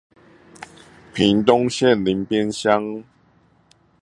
屏東縣林邊鄉